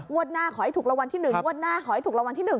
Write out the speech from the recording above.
วัดหน้าขอให้ถูกรวรรณที่๑